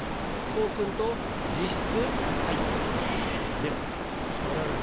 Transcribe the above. そうすると実質ゼロ。